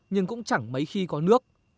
nhưng cũng chẳng mấy khi có nước